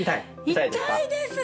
痛いですね！